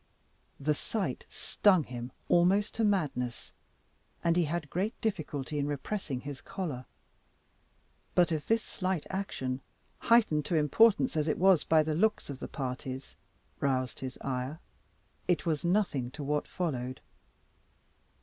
The sight stung him almost to madness, and he had great difficulty in repressing his choler. But if this slight action, heightened to importance, as it was, by the looks of the parties, roused his ire, it was nothing to what followed.